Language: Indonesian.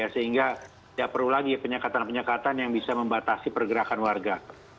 sehingga tidak perlu lagi penyekatan penyekatan yang bisa membatasi pergerakan warga